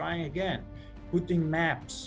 mencoba lagi memasang map dsb